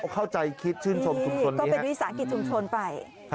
เข้าใจคิดชื่นชมชุมชนก็เป็นวิสาหกิจชุมชนไป